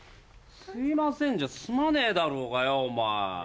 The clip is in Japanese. すいませんじゃすまねえだろうがよお前。